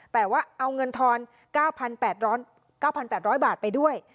แต่ว่าเอาเงินทอน๙๘๐๐บาทไปด้วย